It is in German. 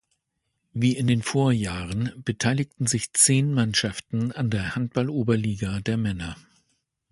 Wie in den Vorjahren beteiligten sich zehn Mannschaften an der Handballoberliga der Männer.